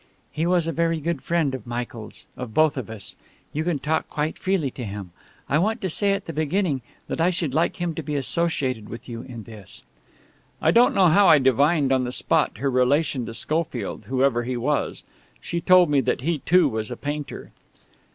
"He was a very good friend of Michael's of both of us. You can talk quite freely to him. I want to say at the beginning that I should like him to be associated with you in this." I don't know how I divined on the spot her relation to Schofield, whoever he was. She told me that he too was a painter.